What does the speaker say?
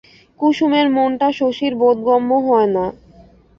কুসুমের মনটা শশীর বোধগম্য হয় না।